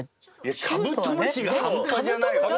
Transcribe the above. カブトムシが半端じゃない。